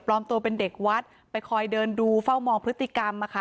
ตัวเป็นเด็กวัดไปคอยเดินดูเฝ้ามองพฤติกรรมนะคะ